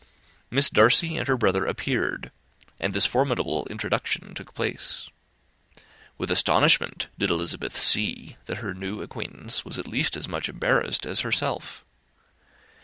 Miss Darcy and her brother appeared, and this formidable introduction took place. With astonishment did Elizabeth see that her new acquaintance was at least as much embarrassed as herself.